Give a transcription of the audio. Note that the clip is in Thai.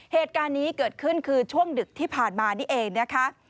เหตุการณ์นี้เกิดขึ้นคือช่วงดึกที่ผ่านมานี่เองนะคะ